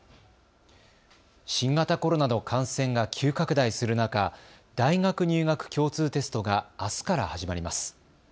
新型コロナの感染が急拡大する中、大学入学共通テストがあすから始まります。